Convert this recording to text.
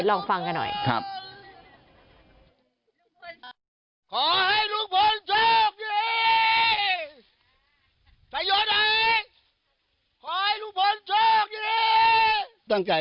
ลองฟังกันหน่อย